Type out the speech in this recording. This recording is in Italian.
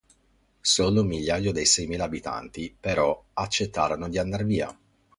Solo un migliaio dei seimila abitanti, però, accettarono di andar via.